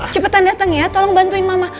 cepetan datang ya tolong bantuin mama